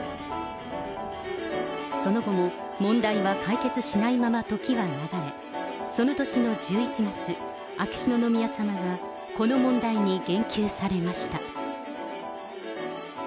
その後も問題は解決しないまま時は流れ、その年の１１月、秋篠宮さまがこの問題に言及されました。